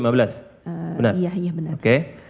benar iya benar oke